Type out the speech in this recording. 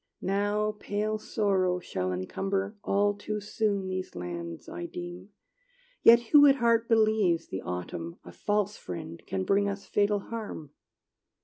Now pale Sorrow shall encumber All too soon these lands, I deem; Yet who at heart believes The autumn, a false friend, Can bring us fatal harm?